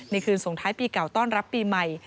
คืนส่งท้ายปีเก่าต้อนรับปีใหม่